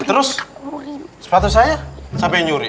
terus sepatu saya sampai nyuri